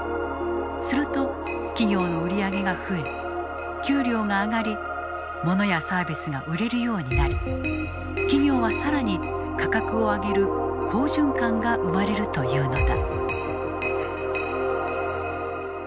すると、企業の売り上げが増え給料が上がりモノやサービスが売れるようになり企業はさらに価格を上げる好循環が生まれるというのだ。